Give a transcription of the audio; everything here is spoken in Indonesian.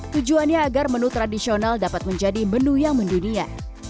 tujuannya agar menu tradisional dapat menjadi menu yang mendunia